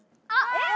えっ！